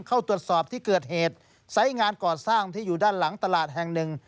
เข้าตรวจสอบที่เกิดเหตุไซส์งานก่อสร้างที่อยู่ด้านหลังตลาดแห่งหนึ่ง